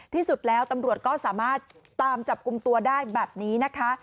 ที่สุดแล้วตำรวจก็สามารถตามจับกลุ่มตัวได้แบบนี้นะคะ